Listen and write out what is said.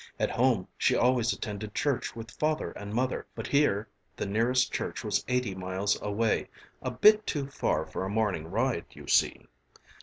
At home she always attended church with Father and Mother, but here the nearest church was eighty miles away, a bit too far for a morning ride, you see.